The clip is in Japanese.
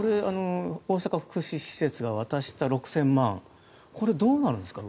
大阪の福祉施設が渡した６０００万円はこれ、どうなるんですか？